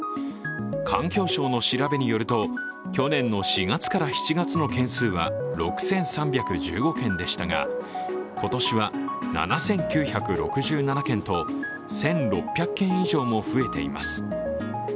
環境省の調べによると、去年の４月から７月の件数は６３１５件でしたが、今年は７９６７件と、１６００件以上も増えています。